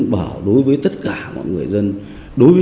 bài học của anh